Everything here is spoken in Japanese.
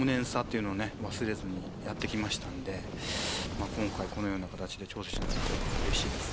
忘れずにやってきましたんで今回このような形で挑戦者になれてうれしいです。